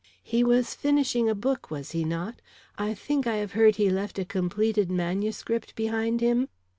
"He was finishing a book, was he not? I think I have heard he left a completed manuscript behind him?"